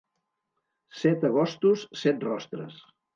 Set agostos, set rostres.